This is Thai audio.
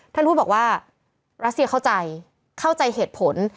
ท่านพูดบอกว่ารัสเซียเข้าใจเข้าใจเหตุผล